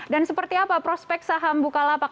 dan seperti apa prospek saham bukalapak